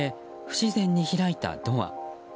不自然に開いたドア。